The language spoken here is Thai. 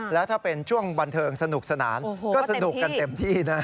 แล้วถ้าเป็นช่วงบันเทิงสนุกสนานก็สนุกกันเต็มที่นะ